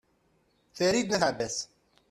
farid n at abbas